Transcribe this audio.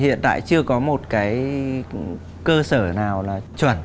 hiện tại chưa có một cái cơ sở nào là chuẩn